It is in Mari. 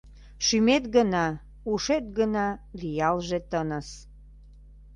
Шӱмет гына, ушет гына лиялже тыныс.